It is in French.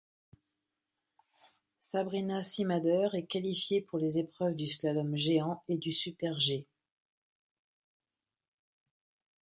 Sabrina Simader est qualifiée pour les épreuves du slalom géant et du super-G.